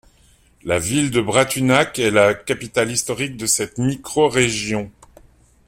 La ville de Bratunac est la capitale historique de cette microrégion.